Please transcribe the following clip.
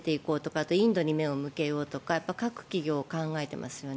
あと、インドに目を向けようとか各企業、考えてますよね。